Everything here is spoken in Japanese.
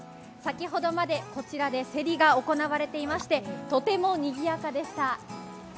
先ほどまでこちらで競りが行われていましてとてもにぎやかでした。